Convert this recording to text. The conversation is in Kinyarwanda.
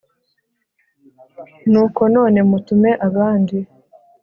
nuko none mutume abandi